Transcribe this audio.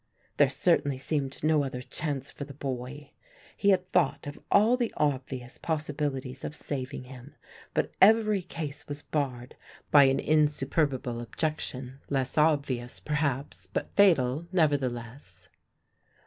There certainly seemed no other chance for the boy; he had thought of all the obvious possibilities of saving him, but every case was barred by an insuperable objection less obvious, perhaps, but fatal nevertheless.